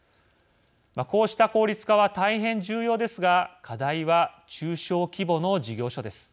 こうした効率化は大変重要ですが課題は中小規模の事業所です。